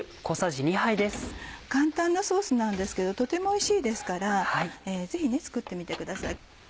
簡単なソースなんですけどとてもおいしいですからぜひ作ってみてください。